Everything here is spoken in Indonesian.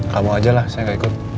kamu aja lah saya gak ikut